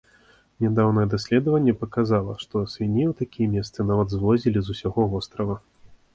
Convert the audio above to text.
Нядаўняе даследаванне паказала, што свіней у такія месцы нават звозілі з усяго вострава.